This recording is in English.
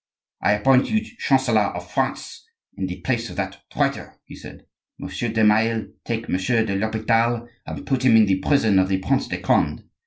"I appoint you chancellor of France in the place of that traitor," he said. "Monsieur de Maille, take Monsieur de l'Hopital and put him in the prison of the Prince de Conde.